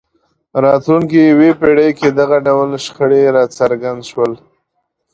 راتلونکې یوې پېړۍ کې دغه ډول شخړې راڅرګند شول.